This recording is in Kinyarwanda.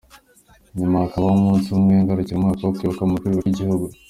Nyuma hakabaho umunsi umwe ngarukamwaka wo kwibuka mu rwego rw’igihugu.